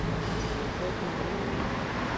Bot.Madrid", vi.